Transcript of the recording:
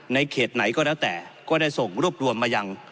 เขตไหนก็แล้วแต่ก็ได้ส่งรวบรวมมายัง